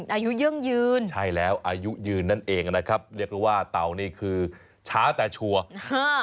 อายุยั่งยืนใช่แล้วอายุยืนนั่นเองนะครับเรียกได้ว่าเต่านี่คือช้าแต่ชัวร์อ่า